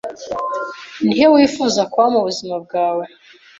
Ni he wifuza kuba mu buzima bwawe